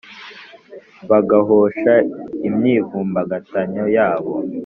bagahosha imyivumbagatanyo yabo.